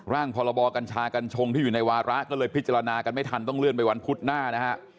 พรบกัญชากัญชงที่อยู่ในวาระก็เลยพิจารณากันไม่ทันต้องเลื่อนไปวันพุธหน้านะฮะ